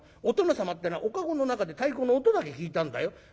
お殿様ってえのはお駕籠の中で太鼓の音だけ聞いたんだよ。